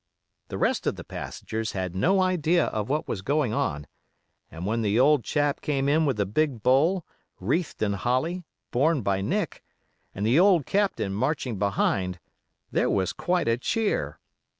The rest of the passengers had no idea of what was going on, and when the old chap came in with a big bowl, wreathed in holly, borne by Nick, and the old Captain marching behind, there was quite a cheer.